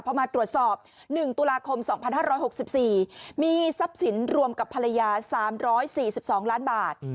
พอมาตรวจสอบ๑ตุลาคม๒๕๖๔มีทรัพย์สินรวมกับภรรยา๓๔๒ล้านบาท